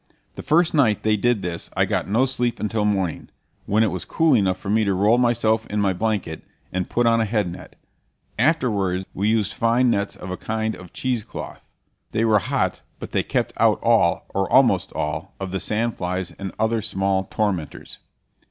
The first night they did this I got no sleep until morning, when it was cool enough for me to roll myself in my blanket and put on a head net. Afterward we used fine nets of a kind of cheese cloth. They were hot, but they kept out all, or almost all, of the sand flies and other small tormentors.